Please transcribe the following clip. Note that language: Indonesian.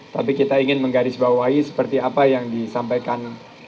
tapi kita ingin menggarisbawahi seperti apa yang disampaikan